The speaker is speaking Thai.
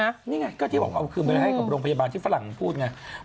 นี่ไงนี่ไงก็ต้องเอาคืนไปให้กับโรงพยาบาลที่ฝรั่งพูดอย่างนี้นะ